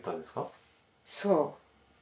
そう。